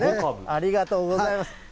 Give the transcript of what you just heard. ありがとうございます。